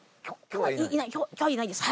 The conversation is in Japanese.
今日はいないです。